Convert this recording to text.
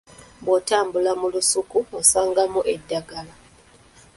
Bw’otambula mu lusuku osangamu endagala.